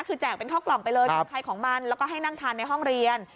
คือแจกเป็นข้อกล่องไปเลยของใครของมันแล้วก็ให้นั่งทานในห้องเรียน